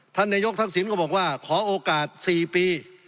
ท่านนายกทักษิณก็บอกว่าขอโอกาส๔ปี